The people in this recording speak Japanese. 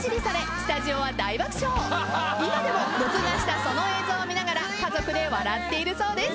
今でも録画したその映像を見ながら家族で笑っているそうです。